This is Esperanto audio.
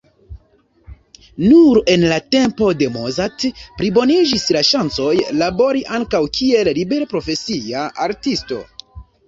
Nur en la tempo de Mozart pliboniĝis la ŝancoj, labori ankaŭ kiel liberprofesia artisto.